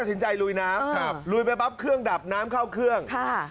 สินใจลุยน้ำลุยไปปั๊บเครื่องดับน้ำเข้าเครื่อง